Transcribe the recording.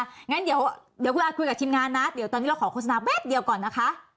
งั้นเดี๋ยวคุณอาคุยกับทีมงานนะเดี๋ยวตอนนี้เราขอโฆษณาแป๊บเดียวก่อนนะคะ